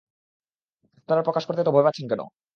আপনারা প্রকাশ করতে এত ভয় পাচ্ছেন কেন?